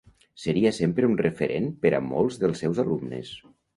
Seria sempre un referent per a molts dels seus alumnes.